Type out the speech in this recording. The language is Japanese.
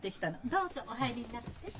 どうぞお入りになって。